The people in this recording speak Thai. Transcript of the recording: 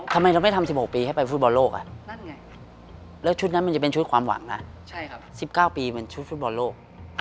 อเจมส์ทำไมเราไม่ทำ๑๖ปีให้ไปฟุตบอลโลกอ่ะและชุดนั้นมันจะเป็นชุดความหวังล่ะ๑๙ปีเป็นฟุตบอลโลก